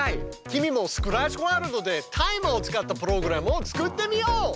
君もスクラッチワールドでタイマーを使ったプログラムを作ってみよう！